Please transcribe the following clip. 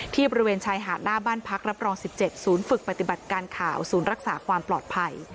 บริเวณชายหาดหน้าบ้านพักรับรอง๑๗ศูนย์ฝึกปฏิบัติการข่าวศูนย์รักษาความปลอดภัย